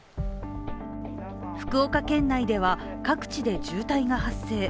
福岡県内では、各地で渋滞が発生。